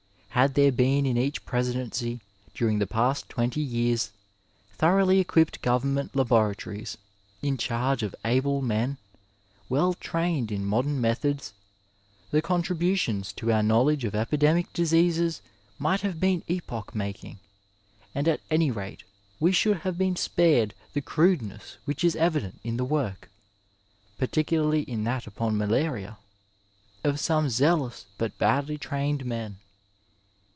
Had there been in each presidency during the past twenty years thoroughly equipped government laboratories in charge of able men, well trained in modem methods, the contributions to our knowledge of epidemic diseases might have been epoch making, and at any rate we should have been spared the crudeness which is evident in the work (particularly in that upon malaria) of some zealous but badly trained men.